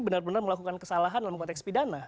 benar benar melakukan kesalahan dalam konteks pidana